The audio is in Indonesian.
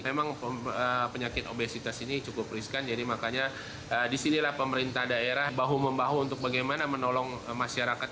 memang penyakit obesitas ini cukup riskan jadi makanya disinilah pemerintah daerah bahu membahu untuk bagaimana menolong masyarakat